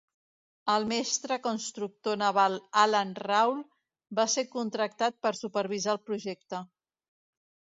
El mestre constructor naval Allan Rawl va ser contractat per supervisar el projecte.